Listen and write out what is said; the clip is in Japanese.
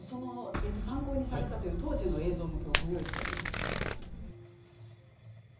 参考にされたという当時の映像もご用意しています。